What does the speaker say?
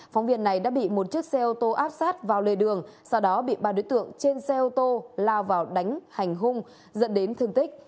phóng viên này đã bị một chiếc xe ô tô áp sát vào lề đường sau đó bị ba đối tượng trên xe ô tô lao vào đánh hành hung dẫn đến thương tích